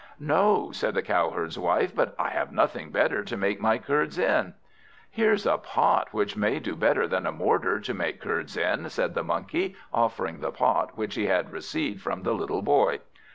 "No," said the Cowherd's wife, "but I have nothing better to make my curds in." "Here's a pot which will do better than a mortar to make curds in," said the Monkey, offering the pot which he had received from the little Boy.